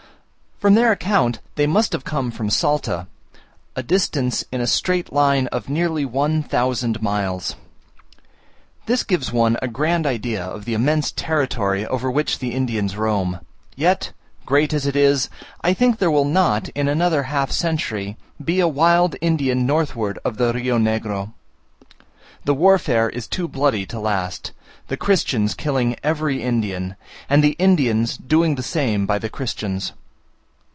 From their account they must have come from Salta, a distance in a straight line of nearly one thousand miles. This gives one a grand idea of the immense territory over which the Indians roam: yet, great as it is, I think there will not, in another half century, be a wild Indian northward of the Rio Negro. The warfare is too bloody to last; the Christians killing every Indian, and the Indians doing the same by the Christians.